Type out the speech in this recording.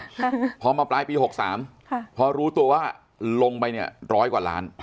ค่ะพอมาปลายปีหกสามค่ะพอรู้ตัวว่าลงไปเนี้ยร้อยกว่าล้าน